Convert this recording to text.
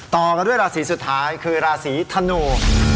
ต่อกันด้วยราศีสุดท้ายคือราศีธนู